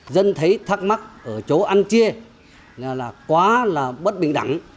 dân thấy thắc mắc ở chỗ ăn chia là quá là bất bình đẳng